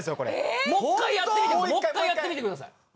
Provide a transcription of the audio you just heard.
もう一回やってみてください。